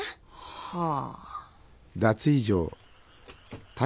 はあ。